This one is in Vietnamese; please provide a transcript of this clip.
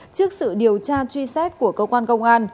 trước sự điều tra truy xét của cơ quan công an